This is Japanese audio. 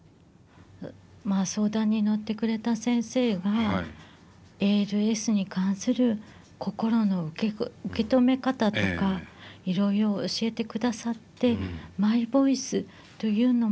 まあ相談に乗ってくれた先生がＡＬＳに関する心の受け止め方とかいろいろ教えてくださってマイボイスというのもあるよということで。